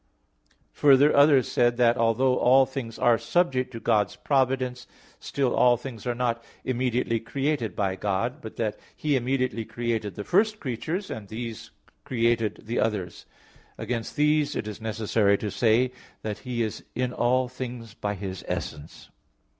Further, others said that, although all things are subject to God's providence, still all things are not immediately created by God; but that He immediately created the first creatures, and these created the others. Against these it is necessary to say that He is in all things by His essence.